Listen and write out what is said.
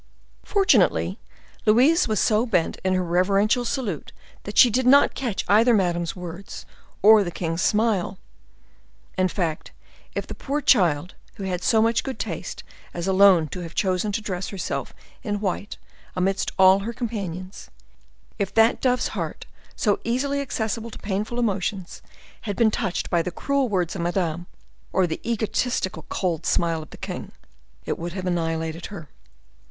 Fortunately, Louise was so bent in her reverential salute, that she did not catch either Madame's words or the king's smile. In fact, if the poor child, who had so much good taste as alone to have chosen to dress herself in white amidst all her companions—if that dove's heart, so easily accessible to painful emotions, had been touched by the cruel words of Madame, or the egotistical cold smile of the king, it would have annihilated her.